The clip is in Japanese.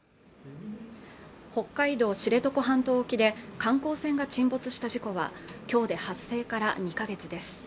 北海道知床半島沖で観光船が沈没した事故はきょうで発生から２か月です